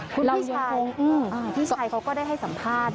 คุณพี่ชายเขาก็ได้ให้สัมภาษณ์ด้วย